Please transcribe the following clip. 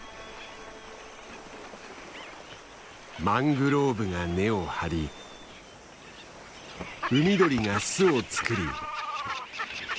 マングローブが根を張り海鳥が巣を作り。